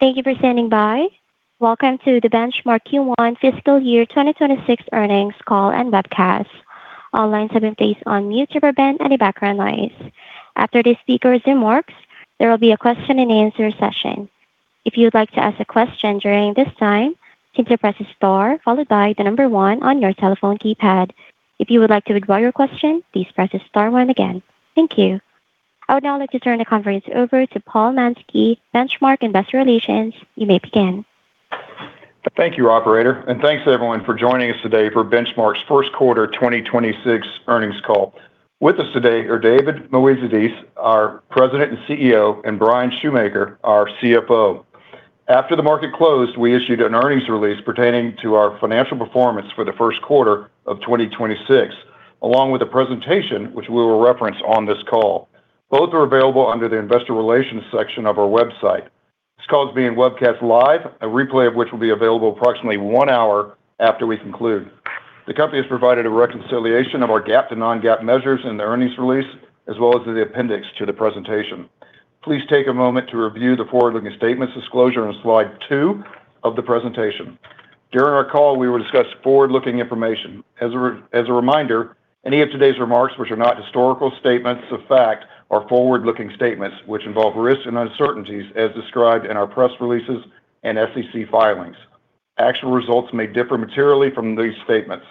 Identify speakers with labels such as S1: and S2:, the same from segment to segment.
S1: Thank you for standing by. Welcome to the Benchmark Q1 fiscal year 2026 earnings call and webcast. All lines have been placed on mute to prevent any background noise. After the speaker's remarks, there will be a question and answer session. If you would like to ask a question during this time, simply press star followed by the number one on your telephone keypad. If you would like to withdraw your question, please press star one again. Thank you. I would now like to turn the conference over to Paul Mansky, Benchmark Investor Relations. You may begin.
S2: Thank you, operator, thanks everyone for joining us today for Benchmark's Q1 2026 earnings call. With us today are David Moezidis, our President and CEO, and Bryan Schumaker, our CFO. After the market closed, we issued an earnings release pertaining to our financial performance for the Q1 of 2026, along with a presentation which we will reference on this call. Both are available under the Investor Relations section of our website. This call is being webcast live, a replay of which will be available approximately one hour after we conclude. The company has provided a reconciliation of our GAAP to non-GAAP measures in the earnings release, as well as in the appendix to the presentation. Please take a moment to review the forward-looking statements disclosure on slide two of the presentation. During our call, we will discuss forward-looking information. As a reminder, any of today's remarks which are not historical statements of fact are forward-looking statements which involve risks and uncertainties as described in our press releases and SEC filings. Actual results may differ materially from these statements.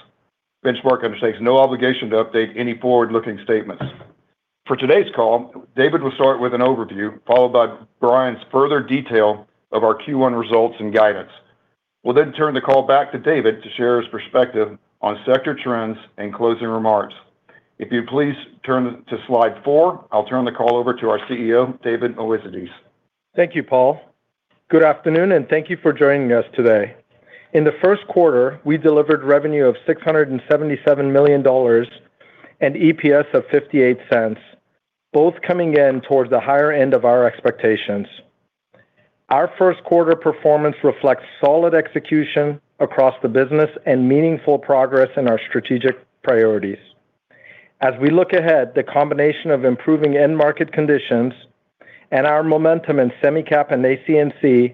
S2: Benchmark undertakes no obligation to update any forward-looking statements. For today's call, David will start with an overview, followed by Bryan's further detail of our Q1 results and guidance. We'll turn the call back to David to share his perspective on sector trends and closing remarks. If you please turn to slide four, I'll turn the call over to our CEO, David Moezidis.
S3: Thank you, Paul. Good afternoon, thank you for joining us today. In the Q1, we delivered revenue of $677 million and EPS of $0.58, both coming in towards the higher end of our expectations. Our Q1 performance reflects solid execution across the business and meaningful progress in our strategic priorities. As we look ahead, the combination of improving end market conditions and our momentum in Semi-Cap and AC&C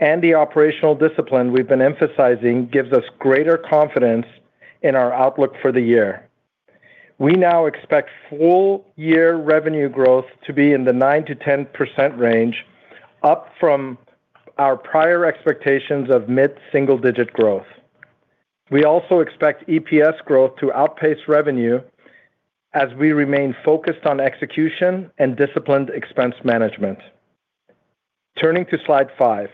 S3: and the operational discipline we've been emphasizing gives us greater confidence in our outlook for the year. We now expect full year revenue growth to be in the 9%-10% range, up from our prior expectations of mid-single-digit growth. We also expect EPS growth to outpace revenue as we remain focused on execution and disciplined expense management. Turning to slide five.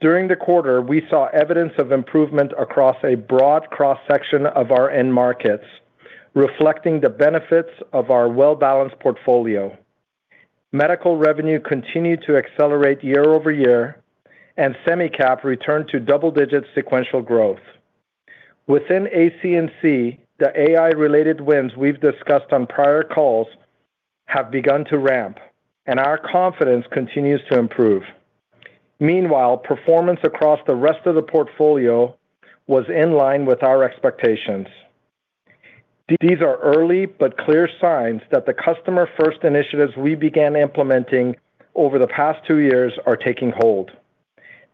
S3: During the quarter, we saw evidence of improvement across a broad cross-section of our end markets, reflecting the benefits of our well-balanced portfolio. Medical revenue continued to accelerate year-over-year. Semi-Cap returned to double-digit sequential growth. Within AC&C, the AI-related wins we've discussed on prior calls have begun to ramp. Our confidence continues to improve. Meanwhile, performance across the rest of the portfolio was in line with our expectations. These are early but clear signs that the customer-first initiatives we began implementing over the past two years are taking hold.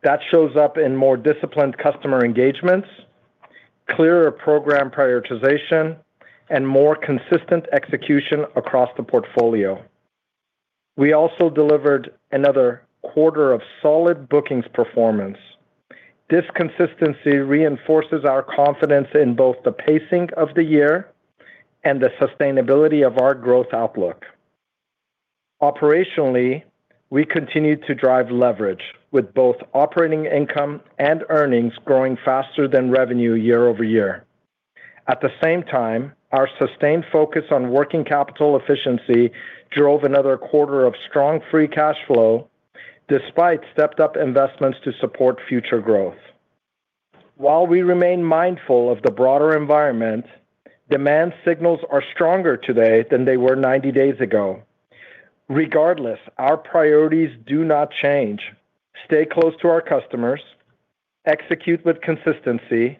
S3: That shows up in more disciplined customer engagements, clearer program prioritization, and more consistent execution across the portfolio. We also delivered another quarter of solid bookings performance. This consistency reinforces our confidence in both the pacing of the year and the sustainability of our growth outlook. Operationally, we continued to drive leverage with both operating income and earnings growing faster than revenue year-over-year. At the same time, our sustained focus on working capital efficiency drove another quarter of strong free cash flow despite stepped up investments to support future growth. While we remain mindful of the broader environment, demand signals are stronger today than they were 90 days ago. Regardless, our priorities do not change. Stay close to our customers, execute with consistency,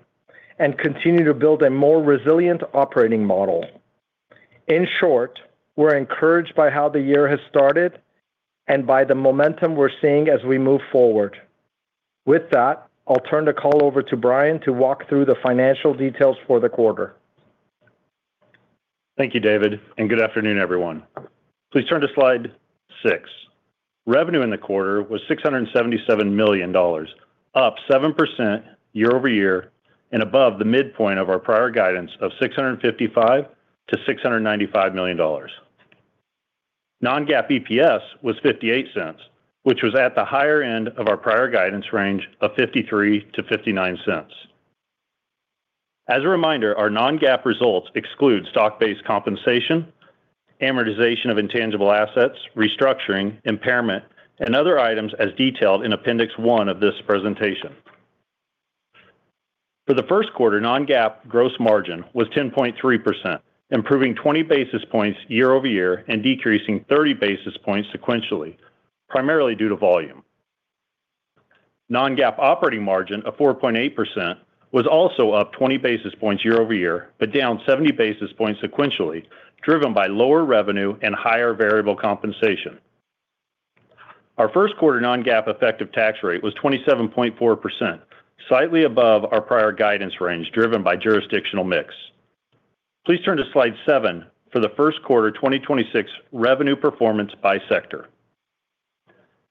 S3: and continue to build a more resilient operating model. In short, we're encouraged by how the year has started and by the momentum we're seeing as we move forward. With that, I'll turn the call over to Bryan to walk through the financial details for the quarter.
S4: Thank you, David, and good afternoon, everyone. Please turn to slide six. Revenue in the quarter was $677 million, up 7% year-over-year and above the midpoint of our prior guidance of $655 million-$695 million. Non-GAAP EPS was $0.58, which was at the higher end of our prior guidance range of $0.53-$0.59. As a reminder, our non-GAAP results exclude stock-based compensation, amortization of intangible assets, restructuring, impairment, and other items as detailed in appendix one of this presentation. For the Q1, non-GAAP gross margin was 10.3%, improving 20 basis points year-over-year and decreasing 30 basis points sequentially, primarily due to volume. Non-GAAP operating margin of 4.8% was also up 20 basis points year-over-year, down 70 basis points sequentially, driven by lower revenue and higher variable compensation. Our Q1 non-GAAP effective tax rate was 27.4%, slightly above our prior guidance range, driven by jurisdictional mix. Please turn to slide seven for the Q1 2026 revenue performance by sector.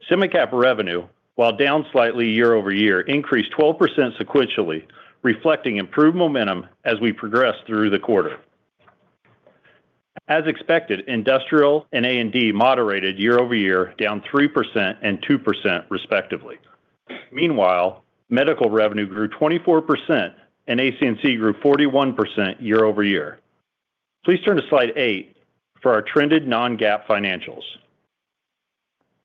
S4: Semi-Cap revenue, while down slightly year-over-year, increased 12% sequentially, reflecting improved momentum as we progress through the quarter. As expected, Industrial and A&D moderated year-over-year, down 3% and 2% respectively. Meanwhile, Medical revenue grew 24% and AC&C grew 41% year-over-year. Please turn to slide eight for our trended non-GAAP financials.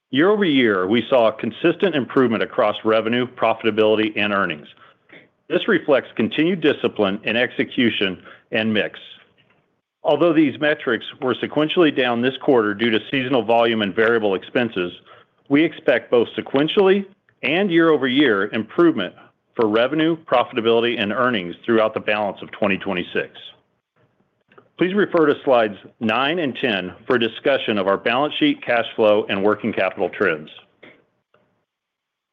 S4: Year-over-year, we saw a consistent improvement across revenue, profitability, and earnings. This reflects continued discipline in execution and mix. Although these metrics were sequentially down this quarter due to seasonal volume and variable expenses, we expect both sequentially and year-over-year improvement for revenue, profitability, and earnings throughout the balance of 2026. Please refer to slides nine and 10 for a discussion of our balance sheet, cash flow, and working capital trends.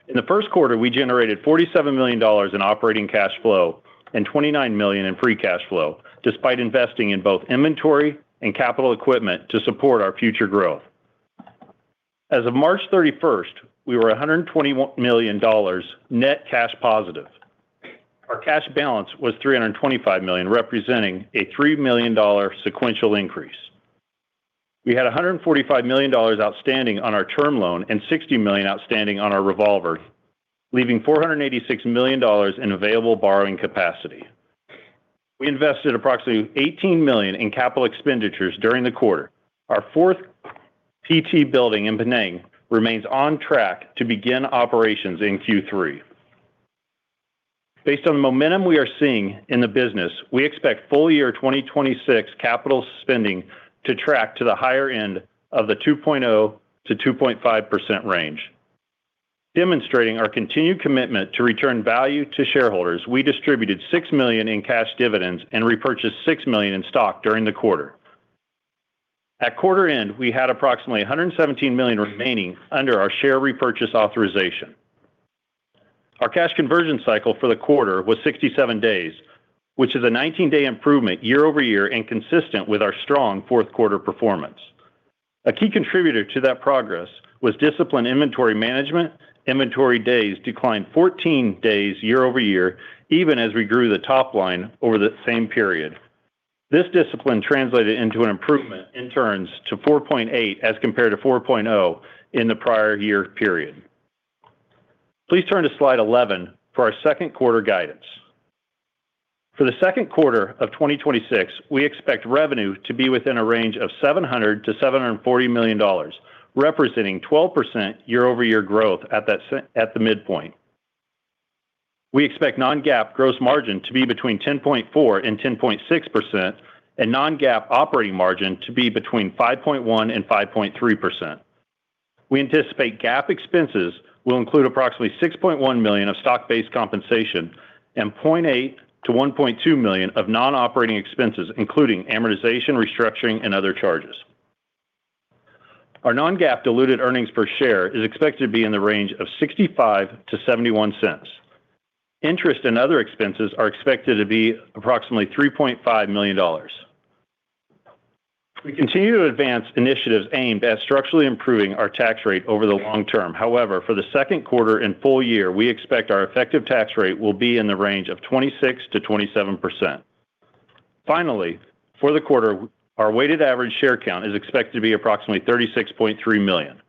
S4: In the Q1, we generated $47 million in operating cash flow and $29 million in free cash flow, despite investing in both inventory and capital equipment to support our future growth. As of March 31st, we were $121 million net cash positive. Our cash balance was $325 million, representing a $3 million sequential increase. We had $145 million outstanding on our term loan and $60 million outstanding on our revolver, leaving $486 million in available borrowing capacity. We invested approximately $18 million in capital expenditures during the quarter. Our fourth PT building in Penang remains on track to begin operations in Q3. Based on the momentum we are seeing in the business, we expect full year 2026 capital spending to track to the higher end of the 2.0%-2.5% range. Demonstrating our continued commitment to return value to shareholders, we distributed $6 million in cash dividends and repurchased $6 million in stock during the quarter. At quarter end, we had approximately $117 million remaining under our share repurchase authorization. Our cash conversion cycle for the quarter was 67 days, which is a 19-day improvement year-over-year and consistent with our strong Q4 performance. A key contributor to that progress was disciplined inventory management. Inventory days declined 14 days year-over-year, even as we grew the top line over the same period. This discipline translated into an improvement in turns to 4.8 as compared to 4.0 in the prior year period. Please turn to slide 11 for our Q2 guidance. For the Q2 of 2026, we expect revenue to be within a range of $700 million-$740 million, representing 12% year-over-year growth at the midpoint. We expect non-GAAP gross margin to be between 10.4% and 10.6% and non-GAAP operating margin to be between 5.1% and 5.3%. We anticipate GAAP expenses will include approximately $6.1 million of stock-based compensation and $0.8 million-$1.2 million of non-operating expenses, including amortization, restructuring, and other charges. Our non-GAAP diluted earnings per share is expected to be in the range of $0.65-$0.71. Interest and other expenses are expected to be approximately $3.5 million. We continue to advance initiatives aimed at structurally improving our tax rate over the long term. However, for the Q2 and full year, we expect our effective tax rate will be in the range of 26%-27%. Finally, for the quarter, our weighted average share count is expected to be approximately 36.3 million.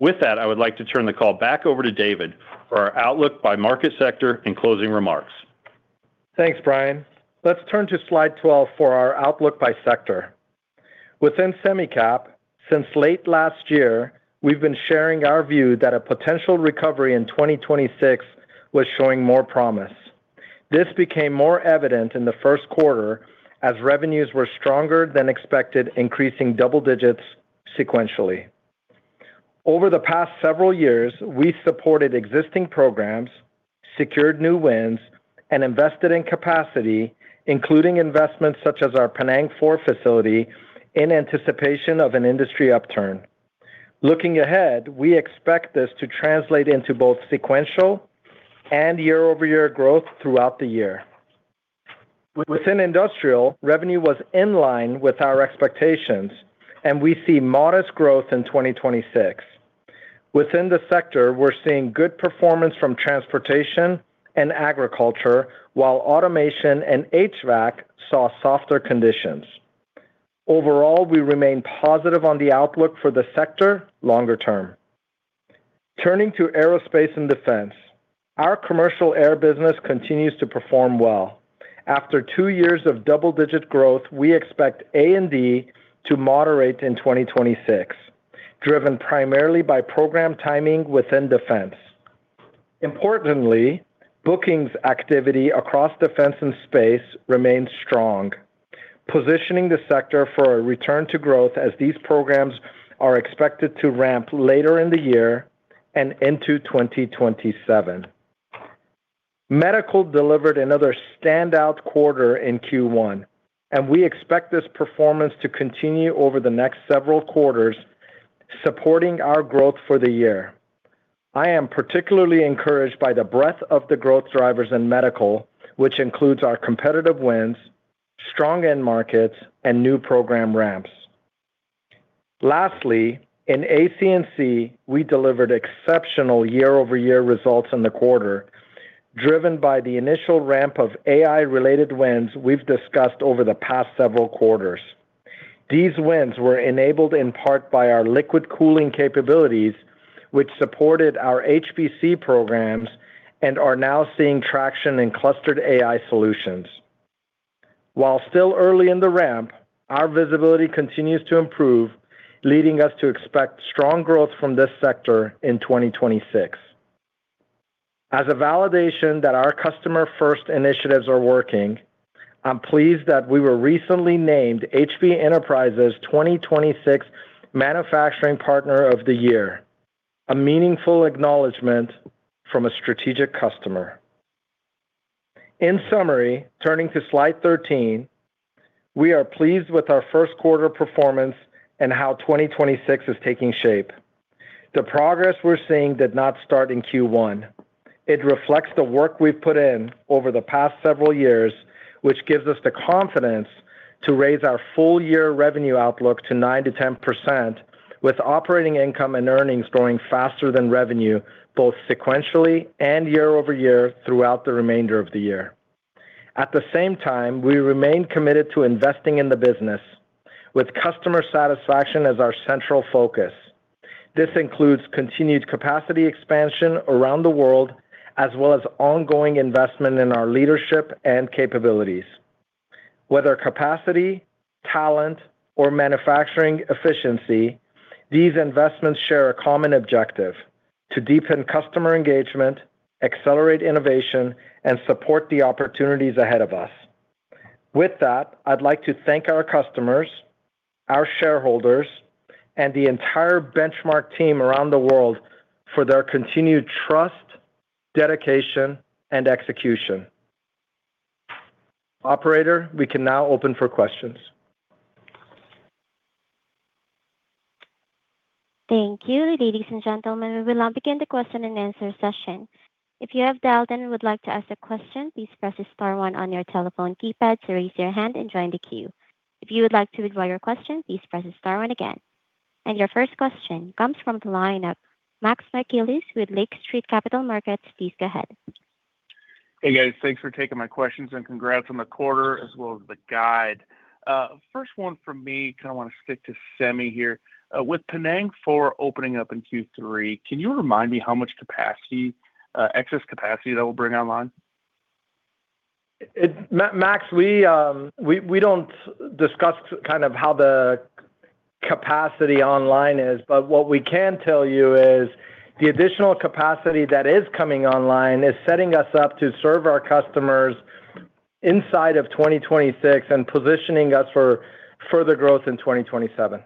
S4: With that, I would like to turn the call back over to David for our outlook by market sector and closing remarks.
S3: Thanks, Bryan. Let's turn to slide 12 for our outlook by sector. Within Semi-Cap, since late last year, we've been sharing our view that a potential recovery in 2026 was showing more promise. This became more evident in the Q1 as revenues were stronger than expected, increasing double digits sequentially. Over the past several years, we supported existing programs, secured new wins, and invested in capacity, including investments such as our Penang Four facility in anticipation of an industry upturn. Looking ahead, we expect this to translate into both sequential and year-over-year growth throughout the year. Within Industrial, revenue was in line with our expectations, and we see modest growth in 2026. Within the sector, we're seeing good performance from transportation and agriculture, while automation and HVAC saw softer conditions. Overall, we remain positive on the outlook for the sector longer term. Turning to Aerospace and Defense, our commercial air business continues to perform well. After two years of double-digit growth, we expect A&D to moderate in 2026, driven primarily by program timing within Defense. Importantly, bookings activity across Defense and Space remains strong. Positioning the sector for a return to growth as these programs are expected to ramp later in the year and into 2027. Medical delivered another standout quarter in Q1, and we expect this performance to continue over the next several quarters, supporting our growth for the year. I am particularly encouraged by the breadth of the growth drivers in medical, which includes our competitive wins, strong end markets, and new program ramps. Lastly, in AC&C, we delivered exceptional year-over-year results in the quarter, driven by the initial ramp of AI-related wins we've discussed over the past several quarters. These wins were enabled in part by our liquid cooling capabilities, which supported our HPC programs and are now seeing traction in clustered AI solutions. While still early in the ramp, our visibility continues to improve, leading us to expect strong growth from this sector in 2026. As a validation that our customer-first initiatives are working, I'm pleased that we were recently named HP Enterprise's 2026 Manufacturing Partner of the Year, a meaningful acknowledgment from a strategic customer. In summary, turning to slide 13, we are pleased with our Q1 performance and how 2026 is taking shape. The progress we're seeing did not start in Q1. It reflects the work we've put in over the past several years, which gives us the confidence to raise our full year revenue outlook to 9%-10%, with operating income and earnings growing faster than revenue, both sequentially and year-over-year throughout the remainder of the year. At the same time, we remain committed to investing in the business with customer satisfaction as our central focus. This includes continued capacity expansion around the world, as well as ongoing investment in our leadership and capabilities. Whether capacity, talent, or manufacturing efficiency, these investments share a common objective: to deepen customer engagement, accelerate innovation, and support the opportunities ahead of us. With that, I'd like to thank our customers, our shareholders, and the entire Benchmark team around the world for their continued trust, dedication, and execution. Operator, we can now open for questions.
S1: Thank you. Ladies and gentlemen, we will now begin the question and answer session. If you have dialed in and would like to ask a question, please press star one on your telephone keypad to raise your hand and join the queue. If you would like to withdraw your question, please press star one again. Your first question comes from the line of Max Michaelis with Lake Street Capital Markets. Please go ahead.
S5: Hey, guys. Thanks for taking my questions, and congrats on the quarter as well as the guide. First one from me, kind of wanna stick to Semi-Cap here. With Penang 4 opening up in Q3, can you remind me how much capacity, excess capacity that will bring online?
S3: Max, we don't discuss kind of how the capacity online is, but what we can tell you is the additional capacity that is coming online is setting us up to serve our customers inside of 2026 and positioning us for further growth in 2027.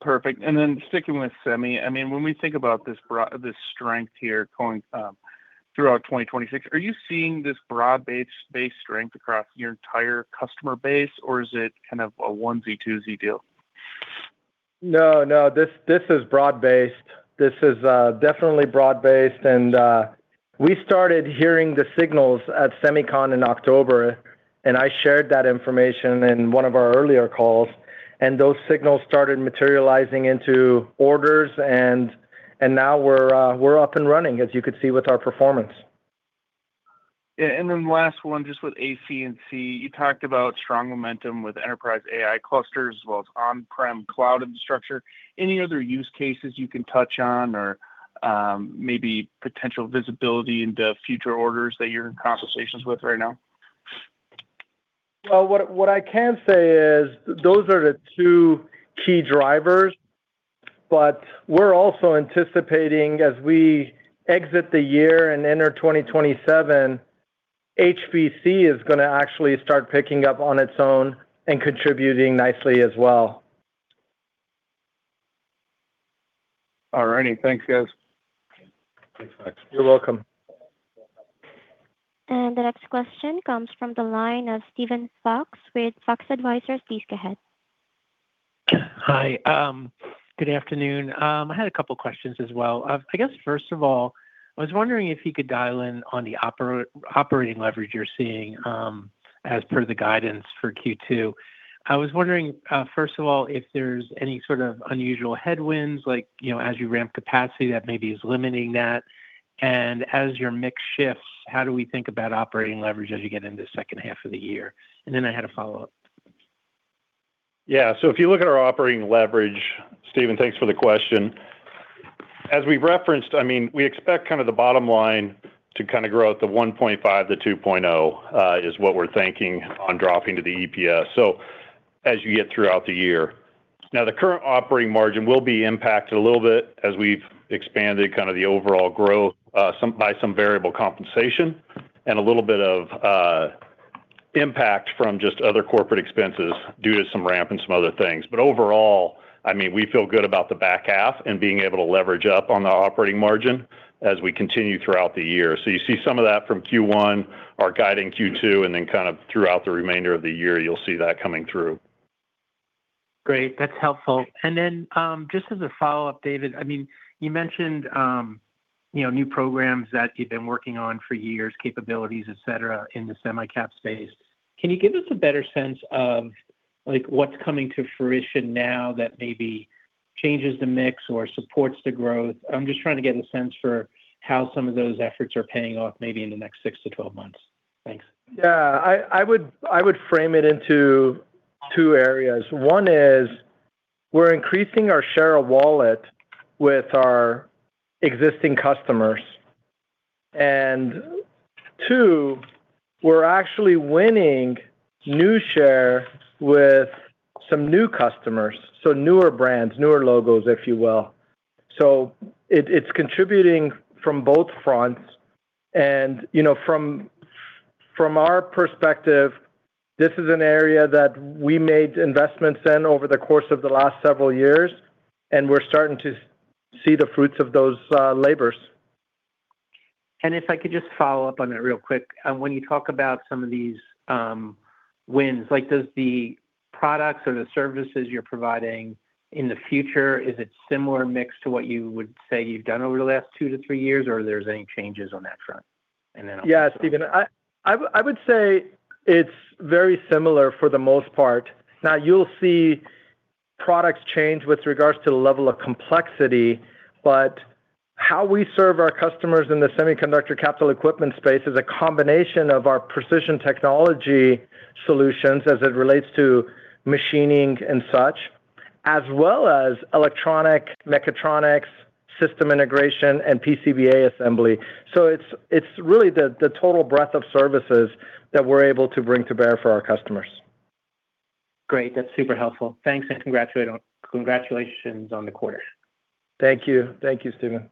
S5: Perfect. Then sticking with Semi, I mean, when we think about this strength here going throughout 2026, are you seeing this broad-based strength across your entire customer base, or is it kind of a onesie, twosie deal?
S3: No, no. This is broad-based. This is definitely broad-based. We started hearing the signals at SEMICON in October, and I shared that information in one of our earlier calls, and those signals started materializing into orders, now we're up and running, as you could see with our performance.
S5: Yeah, last one, just with AC&C. You talked about strong momentum with enterprise AI clusters as well as on-prem cloud infrastructure. Any other use cases you can touch on or, maybe potential visibility into future orders that you're in conversations with right now?
S3: Well, what I can say is those are the two key drivers, but we're also anticipating as we exit the year and enter 2027, HPC is gonna actually start picking up on its own and contributing nicely as well.
S5: All righty. Thanks, guys.
S3: You're welcome.
S1: The next question comes from the line of Steven Fox with Fox Advisors. Please go ahead.
S6: Hi. Good afternoon. I had a couple questions as well. I guess, first of all, I was wondering if you could dial in on the operating leverage you're seeing, as per the guidance for Q2. I was wondering, first of all, if there's any sort of unusual headwinds, like, you know, as you ramp capacity that maybe is limiting that. As your mix shifts, how do we think about operating leverage as you get into the H2 of the year? I had a follow-up.
S4: Yeah. If you look at our operating leverage, Steven, thanks for the question. As we've referenced, I mean, we expect kind of the bottom line to kind of grow at the 1.5 to 2.0 is what we're thinking on dropping to the EPS. As you get throughout the year The current operating margin will be impacted a little bit as we've expanded kind of the overall growth, some, by some variable compensation, and a little bit of impact from just other corporate expenses due to some ramp and some other things. Overall, I mean, we feel good about the back half and being able to leverage up on the operating margin as we continue throughout the year. You see some of that from Q1 are guiding Q2, and then kind of throughout the remainder of the year you'll see that coming through.
S6: Great. That's helpful. Just as a follow-up, David, I mean, you mentioned, you know, new programs that you've been working on for years, capabilities, et cetera, in the Semi-Cap space. Can you give us a better sense of like what's coming to fruition now that maybe changes the mix or supports the growth? I'm just trying to get a sense for how some of those efforts are paying off maybe in the next six to twelve months. Thanks.
S3: Yeah. I would frame it into two areas. One is we're increasing our share of wallet with our existing customers, and two, we're actually winning new share with some new customers, so newer brands, newer logos, if you will. It, it's contributing from both fronts and, you know, from our perspective, this is an area that we made investments in over the course of the last several years, and we're starting to see the fruits of those labors.
S6: If I could just follow up on that real quick. When you talk about some of these wins, like, does the products or the services you're providing in the future, is it similar mix to what you would say you've done over the last two to three years, or there's any changes on that front?
S3: Yeah, Steven, I would say it's very similar for the most part. Now you'll see products change with regards to the level of complexity, but how we serve our customers in the semiconductor capital equipment space is a combination of our precision technology solutions as it relates to machining and such, as well as electronic mechatronics, system integration, and PCBA assembly. It's really the total breadth of services that we're able to bring to bear for our customers.
S6: Great. That's super helpful. Thanks. Congratulations on the quarter.
S3: Thank you. Thank you, Steven.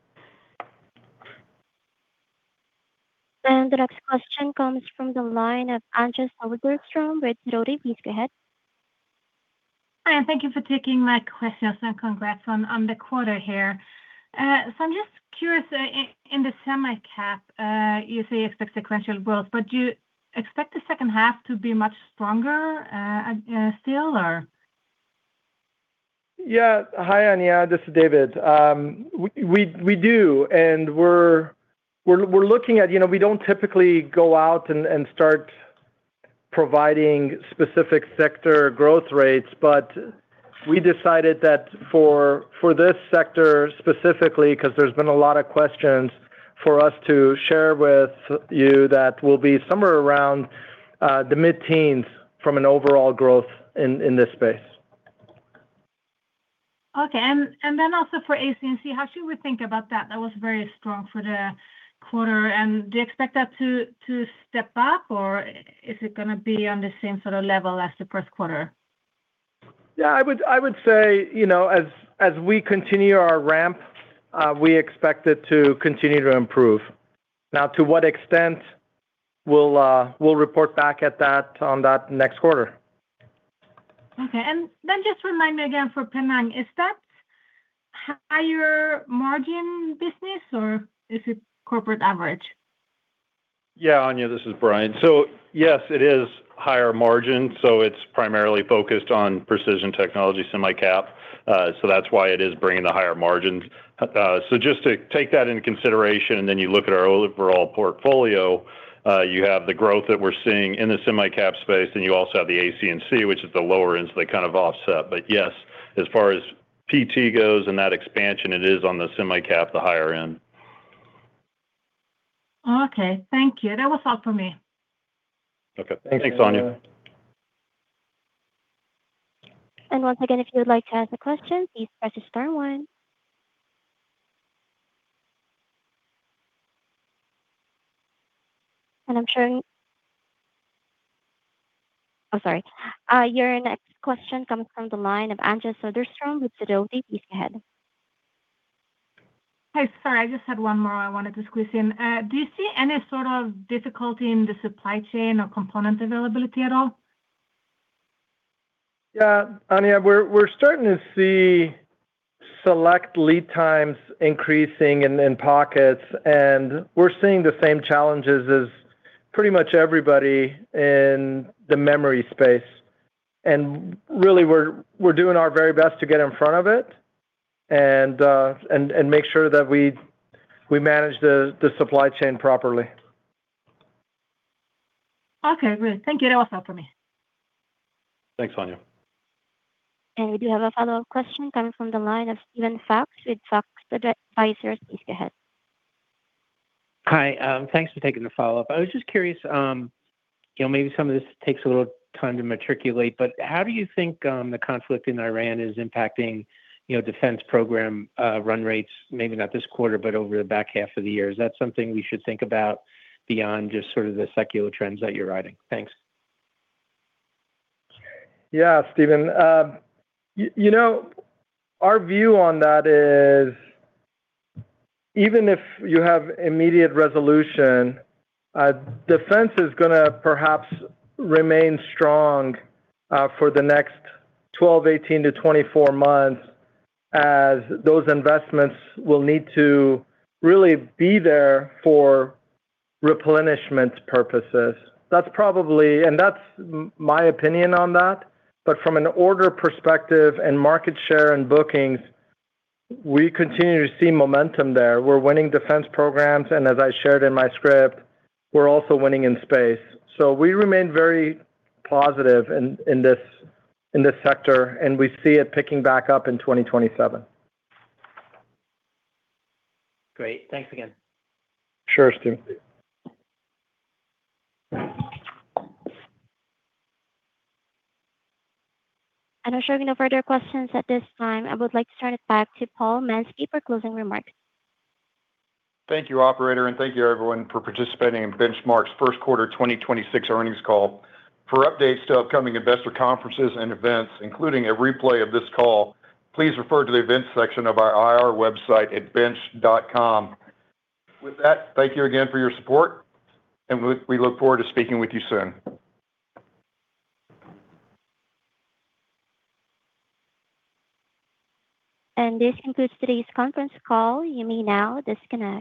S1: The next question comes from the line of Anja Soderstrom with Sidoti & Co. Please go ahead.
S7: Hi, and thank you for taking my questions, and congrats on the quarter here. I'm just curious, in the Semi-Cap, you say expect sequential growth, but do you expect the H2 to be much stronger still or?
S3: Yeah. Hi, Anja. This is David. We do, and we're looking at. You know, we don't typically go out and start providing specific sector growth rates, but we decided that for this sector specifically, 'cause there's been a lot of questions for us to share with you, that will be somewhere around the mid-teens from an overall growth in this space.
S7: Okay. Also for AC&C, how should we think about that? That was very strong for the quarter, do you expect that to step up, or is it gonna be on the same sort of level as the Q1?
S3: Yeah, I would say, you know, as we continue our ramp, we expect it to continue to improve. To what extent, we'll report back on that next quarter.
S7: Okay. Just remind me again for Penang, is that higher margin business or is it corporate average?
S4: Yeah, Anja, this is Bryan. Yes, it is higher margin, it's primarily focused on precision technology Semi-Cap, that's why it is bringing the higher margins. Just to take that into consideration and then you look at our overall portfolio, you have the growth that we're seeing in the Semi-Cap space, and you also have the AC&C, which is the lower end, so they kind of offset. Yes, as far as PT goes and that expansion, it is on the Semi-Cap, the higher end.
S7: Okay. Thank you. That was all for me.
S4: Okay. Thanks, Anja.
S3: Thank you, Anja.
S1: Once again, if you would like to ask a question, please press star one. Oh, sorry. Your next question comes from the line of Anja Soderstrom with Sidoti & Co. Please go ahead.
S7: Hi. Sorry, I just had one more I wanted to squeeze in. Do you see any sort of difficulty in the supply chain or component availability at all?
S3: Yeah. Anja, we're starting to see select lead times increasing in pockets, and we're seeing the same challenges as pretty much everybody in the memory space. Really, we're doing our very best to get in front of it and make sure that we manage the supply chain properly.
S7: Okay, great. Thank you. That was all for me.
S4: Thanks, Anja.
S1: We do have a follow-up question coming from the line of Steven Fox with Fox Advisors. Please go ahead.
S6: Hi. Thanks for taking the follow-up. I was just curious, you know, maybe some of this takes a little time to matriculate, but how do you think the conflict in Iran is impacting, you know, defense program run rates, maybe not this quarter, but over the back half of the year? Is that something we should think about beyond just sort of the secular trends that you're riding? Thanks.
S3: Yeah, Steven. you know, our view on that is even if you have immediate resolution, defense is gonna perhaps remain strong, for the next 12, 18 to 24 months as those investments will need to really be there for replenishment purposes. That's my opinion on that, from an order perspective and market share and bookings, we continue to see momentum there. We're winning defense programs, and as I shared in my script, we're also winning in space. We remain very positive in this sector, and we see it picking back up in 2027.
S6: Great. Thanks again.
S3: Sure, Steven.
S1: I have no further questions at this time. I would like to turn it back to Paul Mansky for closing remarks.
S2: Thank you, operator, and thank you everyone for participating in Benchmark's Q1 2026 earnings call. For updates to upcoming investor conferences and events, including a replay of this call, please refer to the events section of our IR website at bench.com. With that, thank you again for your support, and we look forward to speaking with you soon.
S1: This concludes today's conference call. You may now disconnect.